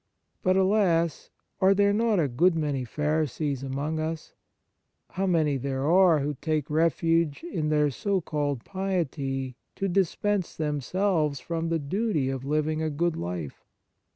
But, alas ! are there not a good many Pharisees among us ? How many there are who take refuge in their so called piety to dispense themselves from the duty of living a good life